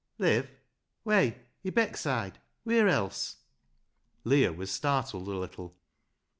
" Live ? Whey, i' Beckside ; wheer else? " Leah was startled a little.